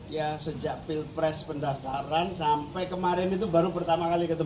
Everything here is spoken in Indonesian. ya sejak pilpres pendaftaran sampai kemarin itu baru pertama kali ketemu